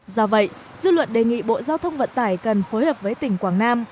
do vậy dư luận đề nghị bộ giao thông vận tải cần phối hợp với tỉnh quảng nam